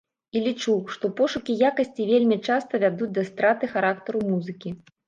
І лічу, што пошукі якасці вельмі часта вядуць да страты характару музыкі.